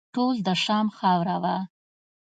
ټول د شام خاوره وه.